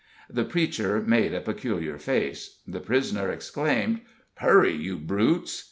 The preacher made a peculiar face. The prisoner exclaimed: "Hurry, you brutes!"